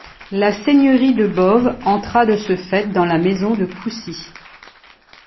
La seigneurie de Boves entra de ce fait dans la Maison de Coucy.